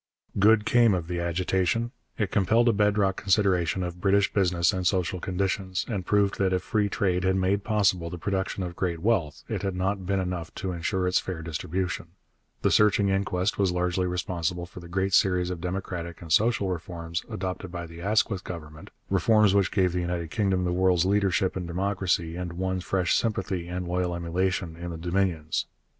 Good came of the agitation. It compelled a bed rock consideration of British business and social conditions, and proved that if free trade had made possible the production of great wealth, it had not been enough to ensure its fair distribution. This searching inquest was largely responsible for the great series of democratic and social reforms adopted by the Asquith Government, reforms which gave the United Kingdom the world's leadership in democracy and won fresh sympathy and loyal emulation in the Dominions.